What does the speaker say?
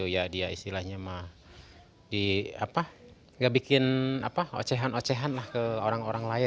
ya dia istilahnya nggak bikin ocehan ocehan ke orang orang lain